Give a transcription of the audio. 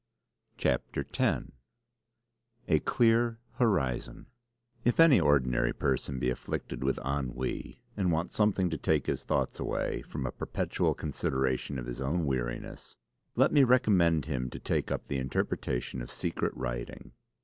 CHAPTER X A CLEAR HORIZON If any ordinary person be afflicted with ennui and want something to take his thoughts away from a perpetual consideration of his own weariness let me recommend him to take up the interpretation of secret writing.